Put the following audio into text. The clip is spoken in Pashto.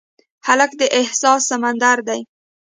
هلک د احساس سمندر دی.